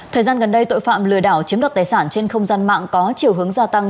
thời gian gần đây tội phạm lừa đảo chiếm đoạt tài sản trên không gian mạng có chiều hướng gia tăng